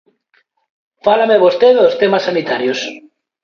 Fálame vostede dos temas sanitarios.